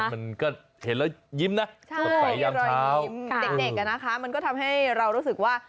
มันก็เห็นแล้วยิ้มนะสดใสยามเท้ามันก็ทำให้เรารู้สึกว่า